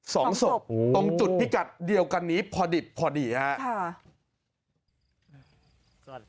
สองศพตรงจุดพิกัดเดียวกันนี้พอดิบพอดีครับ